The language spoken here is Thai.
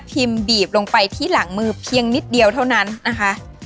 บีบลงไปที่หลังมือเพียงนิดเดียวเท่านั้นนะคะ